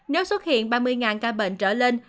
nếu xuất hiện ba mươi ca bệnh trở lên